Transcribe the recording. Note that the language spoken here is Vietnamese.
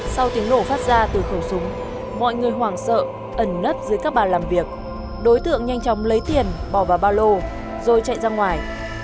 sau tiếng nổ phát ra từ khẩu súng mọi người hoảng sợ ẩn nứt dưới các bà làm việc đối tượng nhanh chóng lấy tiền bỏ vào ba lô rồi chạy ra ngoài